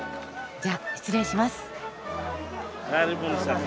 じゃあ失礼します。